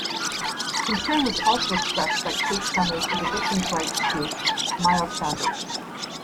Concern was also expressed by Kate Summers of the victims rights group Miles Foundation.